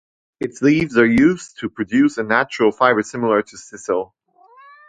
Its leaves are used to produce a natural fiber similar to sisal.